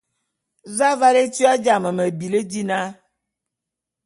Za aval étua jame me bili dina?